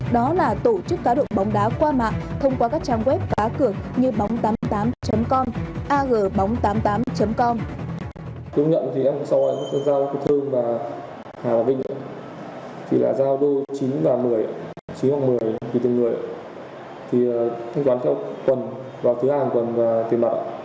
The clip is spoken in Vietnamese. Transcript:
đó là tổ chức cá độ bóng đá qua mạng thông qua các trang web cá cửa như bóng tám mươi tám com agbóng tám mươi tám com